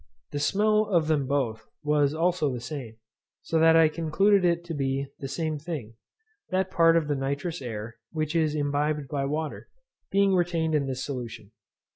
The smell of them both was also the same; so that I concluded it to be the same thing, that part of the nitrous air, which is imbibed by water, being retained in this solution.